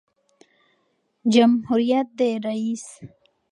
جمهوریت د رئیس